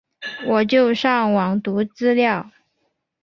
我就上网读资料